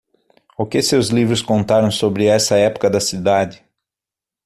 O que seus livros contaram sobre essa época da cidade?